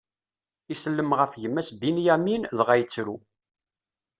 Isellem ɣef gma-s Binyamin, dɣa ittru.